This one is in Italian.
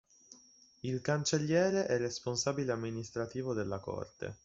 Il cancelliere è responsabile amministrativo della Corte.